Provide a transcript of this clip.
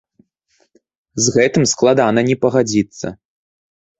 З гэтым складана не пагадзіцца!